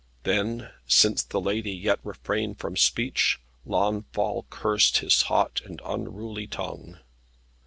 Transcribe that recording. Then, since the lady yet refrained from speech, Launfal cursed his hot and unruly tongue.